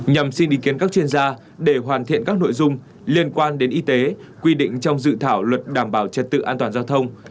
nhằm xin ý kiến các chuyên gia để hoàn thiện các nội dung liên quan đến y tế quy định trong dự thảo luật đảm bảo trật tự an toàn giao thông